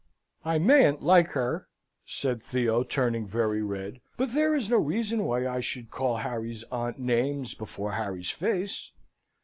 "I mayn't like her," said Theo, turning very red. "But there is no reason why I should call Harry's aunt names before Harry's face."